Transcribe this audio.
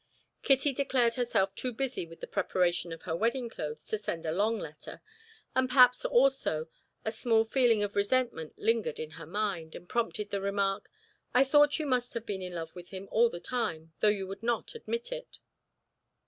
Kitty declared herself too busy with the preparation of her wedding clothes to send a long letter, and perhaps also a small feeling of resentment lingered in her mind, and prompted the remark: "I thought you must have been in love with him all the time, though you would not admit it."